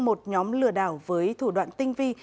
một nhóm lừa đảo với thủ đoạn tinh vi